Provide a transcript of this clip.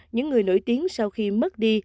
những người nổi tiếng sau khi mất đi